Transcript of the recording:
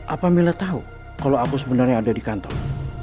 apa mila tahu kalau aku sebenarnya ada di kantor